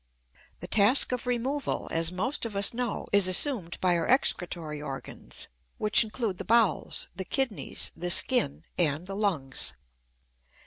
The task of removal, as most of us know, is assumed by our excretory organs, which include the bowels, the kidneys, the skin, and the lungs.